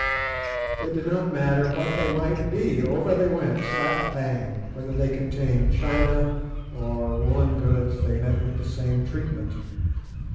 It did not matter what they might be, over they went slap bang; whether they contained china or woollen goods they met with the same treatment.